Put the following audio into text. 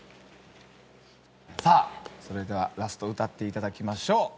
さあそれではラスト歌っていただきましょう。